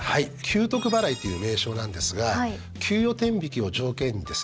「給トク払い」という名称なんですが給与天引きを条件にですね